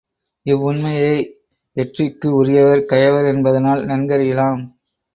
இவ்வுண்மையை எற்றிற்கு உரியர் கயவர்? என்பதனால் நன்கறியலாம்.